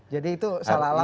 jadi itu salah alamat